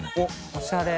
おしゃれ。